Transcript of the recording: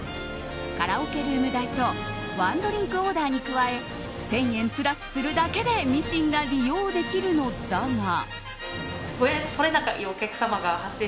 カラオケルーム代とワンドリンクオーダーに加え１０００円プラスするだけでミシンが利用できるのだが。